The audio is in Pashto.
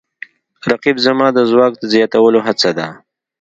رقیب زما د ځواک د زیاتولو هڅه ده